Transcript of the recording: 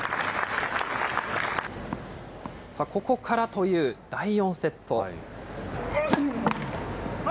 ここからという第４セット。